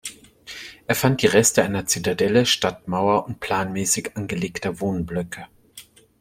Er fand die Reste einer Zitadelle, Stadtmauer und planmäßig angelegter Wohnblöcke.